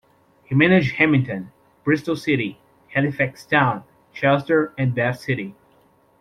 He managed Hamilton, Bristol City, Halifax Town, Chester and Bath City.